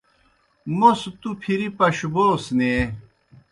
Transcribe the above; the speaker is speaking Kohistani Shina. موْس تُوْ پھری پشبوس نیں۔